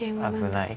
危ない？